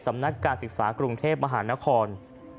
สำนักการศึกษากรุงเทพมหานคร